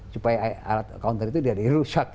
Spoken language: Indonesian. supaya alat counter itu tidak dirusak